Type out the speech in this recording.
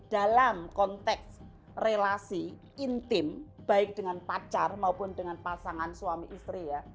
dalam konteks relasi intim baik dengan pacar maupun dengan pasangan suami istri ya